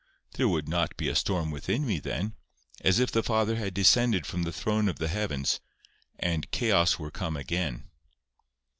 There would not be a storm within me then, as if the Father had descended from the throne of the heavens, and 'chaos were come again.